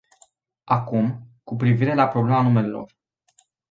Acum, cu privire la problema numelor.